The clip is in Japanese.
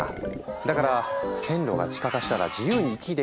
だから「線路が地下化したら自由に行き来できる！